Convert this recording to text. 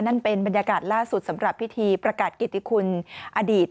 นั่นเป็นบรรยากาศล่าสุดสำหรับพิธีประกาศกิติคุณอดีต